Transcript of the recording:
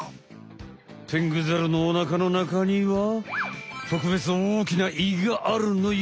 テングザルのお腹のなかにはとくべつおおきな胃があるのよ。